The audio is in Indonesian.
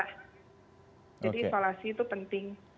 jadi isolasi itu penting